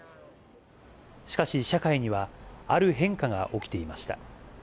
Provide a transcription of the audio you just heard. しかし社会には、ある変化が起きていました。